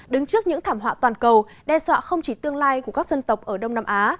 đứng trước những thảm họa toàn cầu đe dọa không chỉ tương lai của các dân tộc ở đông nam á